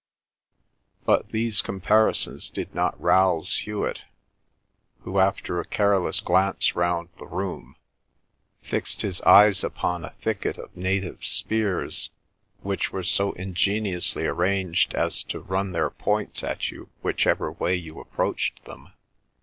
But these comparisons did not rouse Hewet, who, after a careless glance round the room, fixed his eyes upon a thicket of native spears which were so ingeniously arranged as to run their points at you whichever way you approached them.